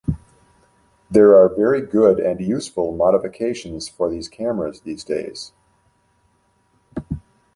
There are very good and useful modifications for these cameras these days.